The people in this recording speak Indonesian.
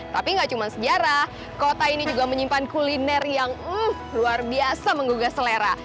tapi gak cuma sejarah kota ini juga menyimpan kuliner yang luar biasa menggugah selera